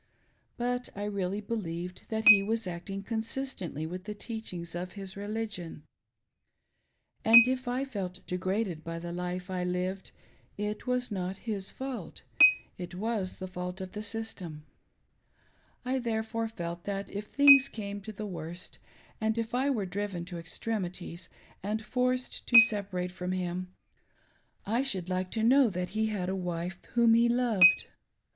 But I really believed that he was acting consistently with the teachings of his religion, and if I felt degraded by the life I lived, it was not his fault — it was the fault; of. the system. I therefore felt that if things came to the worst, ahd. if I were driven to extremities, and forcied to separate from him, I should like to knoW.that he had a wife THEN AND NOW. 547 whom he loved.